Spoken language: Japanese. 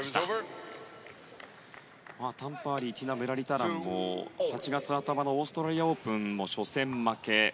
タン・パーリーティナ・ムラリタランも８月頭のオーストラリアオープン初戦負け。